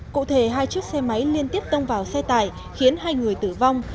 cụ thể hai chiếc xe máy liên tiếp tông vào xe tải khiến hai người tử vong